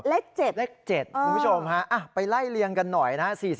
เลข๗คุณผู้ชมค่ะไปไล่เลียงกันหน่อยนะ